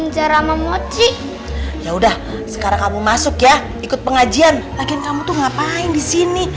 cara memucik ya udah sekarang kamu masuk ya ikut pengajian lagiin kamu tuh ngapain di sini